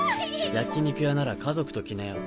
焼き肉屋なら家族と来なよ。